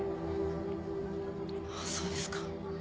あっそうですか。